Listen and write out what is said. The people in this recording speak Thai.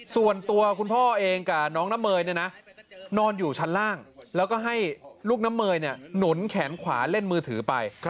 ส่วนตัวคุณพ่อเองกับน้องน้ำเมยนอนอยู่ชั้นล่างแล้วก็ให้ลูกน้ำเมยหนุนแขนขวาเล่นมือถือไป